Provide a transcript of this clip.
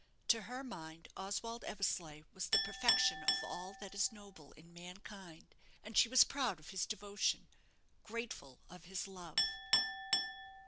To her mind, Oswald Eversleigh was the perfection of all that is noble in mankind, and she was proud of his devotion, grateful of his love.